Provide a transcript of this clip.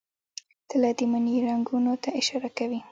تله د مني رنګونو ته اشاره کوي.